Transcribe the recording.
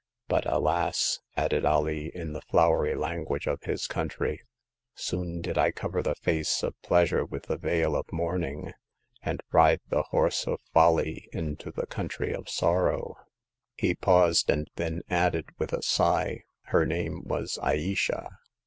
But alas !" added Alee, in the flowery language of his country, '* soon did I cover the face of pleas ure with the veil of mourning, and ride the horse of folly into the country of sorrow." He 17 2S8 Hagar of the Pawn Shop. paused, and then added, with a sigh :'Her name was Ayesha."